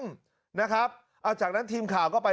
การนอนไม่จำเป็นต้องมีอะไรกัน